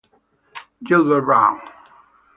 Gilbert Brown